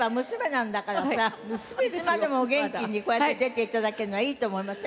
いつまでもお元気にこうやって出て頂けるのはいいと思いません？